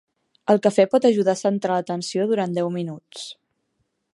El cafè pot ajudar a centrar l'atenció durant deu minuts.